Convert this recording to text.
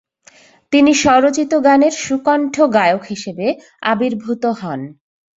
তিনি স্বরচিত গানের সুকণ্ঠ গায়ক হিসেবে আবির্ভূত হন ।